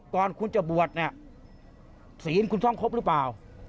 ก่อนคุณจะบวชเนี่ยศีลคุณท่องครบหรือเปล่า